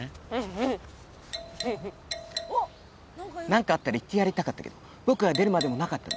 何かあったらいってやりたかったけど僕が出るまでもなかったな。